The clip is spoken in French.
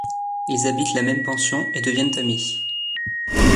Il habitent la même pension et deviennent amis.